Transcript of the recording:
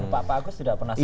pak agus tidak pernah